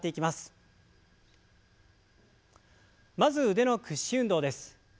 まず腕の屈伸運動です。